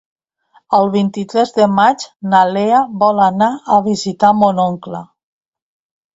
El vint-i-tres de maig na Lea vol anar a visitar mon oncle.